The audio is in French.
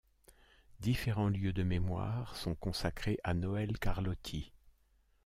Différents lieux de mémoire sont consacrés à Noël Carlotti.